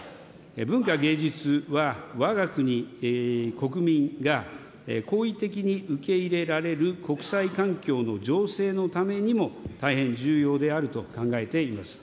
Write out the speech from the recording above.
文化芸術は、わが国国民が好意的に受け入れられる国際環境の醸成のためにも大変重要であると考えております。